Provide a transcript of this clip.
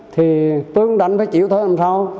thì tướng đánh phải chịu thôi làm sao